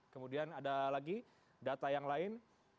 kemudian ada lagi data yang lain